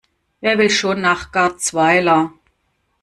Wer will schon nach Garzweiler?